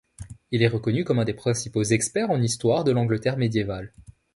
Il est reconnu comme un des principaux experts en histoire de l’Angleterre médiévale.